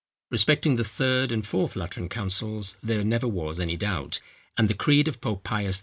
Respecting the third and fourth Lateran councils there never was any doubt; and the creed of Pope Pius IV.